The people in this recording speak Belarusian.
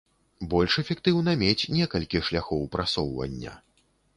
Больш эфектыўна мець некалькі шляхоў прасоўвання.